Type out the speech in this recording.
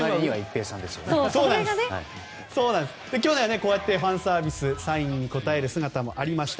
去年はファンサービスサインに応える姿もありました。